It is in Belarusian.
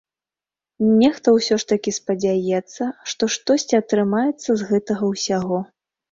Нехта ўсё ж такі спадзяецца, што штосьці атрымаецца з гэтага ўсяго.